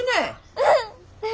うん。